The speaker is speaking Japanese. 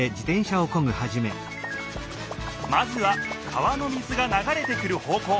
まずは川の水がながれてくる方こう。